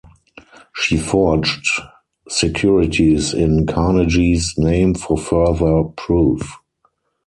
She forged securities in Carnegie's name for further proof.